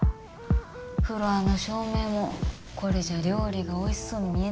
フロアの照明もこれじゃ料理がおいしそうに見えない。